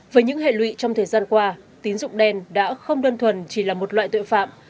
với những hệ lụy trong thời gian qua tín dụng đen đã không đơn thuần chỉ là một loại tội phạm